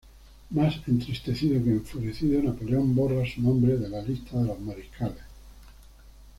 Más entristecido que enfurecido, Napoleón borra su nombre de la lista de los mariscales.